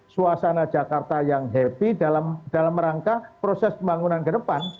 suasana jakarta yang happy dalam rangka proses pembangunan ke depan